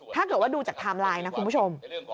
ถ้าเกิดว่าดูจากไทม์ไลน์นะคุณผู้ชม